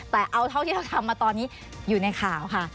แต่เอาเท่าที่เราทำมาตอนนี้อยู่ในข่าวค่ะ